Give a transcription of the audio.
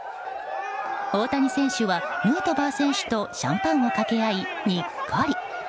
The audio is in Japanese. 大谷選手はヌートバー選手とシャンパンをかけ合い、にっこり。